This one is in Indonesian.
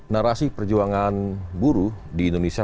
narasi perjuangan buruh di indonesia